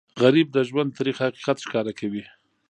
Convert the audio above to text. غریب د ژوند تریخ حقیقت ښکاره کوي